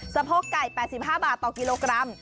สะโพกไก่๘๕บาทต่อกิโลกรัม